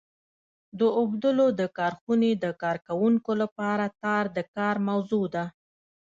د اوبدلو د کارخونې د کارکوونکو لپاره تار د کار موضوع ده.